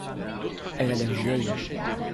Elle a l'air vieille.